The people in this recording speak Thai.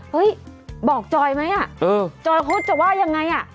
เฮ้ยบอกจอยไหมอ่ะจอยเขาจะว่ายังไงอ่ะ